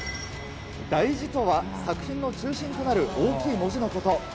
大字とは、作品の中心となる大きい文字のこと。